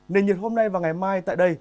nền nhiệt hôm nay và ngày mai tại đây